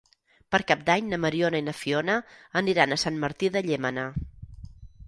Per Cap d'Any na Mariona i na Fiona aniran a Sant Martí de Llémena.